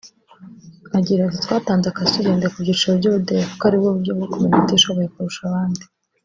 Agira ati“Twatanze akazi tugendeye ku byiciro by’ubudehe kuko aribwo buryo bwo kumenya utishoboye kurusha abandi